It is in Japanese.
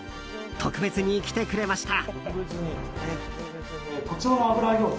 特別に来てくれました。